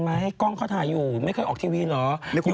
ไม่ใช่ใสแล้วไม่ซัก